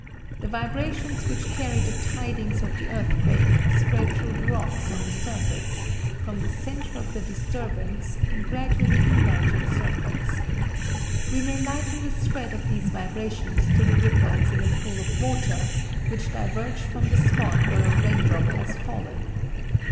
The vibrations which carry the tidings of the earthquake spread through the rocks on the surface, from the centre of the disturbance, in gradually enlarging circles. We may liken the spread of these vibrations to the ripples in a pool of water which diverge from the spot where a raindrop has fallen.